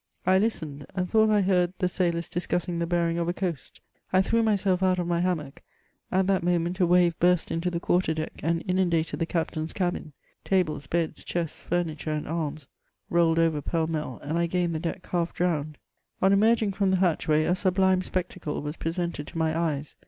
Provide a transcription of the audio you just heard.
I Ibtened, and thought I heard the sailors db cussing the bearing of a coast ; I threw myself out of my hammock; at that moment a wave biurst into the quarter deck and inundated the captain's cabin; tables, beds, diests, furniture, and arras, rolled over pell mell, and I gained the deck half drowned. On emerging from the hatchway, a sublime spectacle was pre sented to my eyes.